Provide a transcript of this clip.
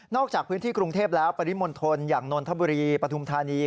จากพื้นที่กรุงเทพแล้วปริมณฑลอย่างนนทบุรีปฐุมธานี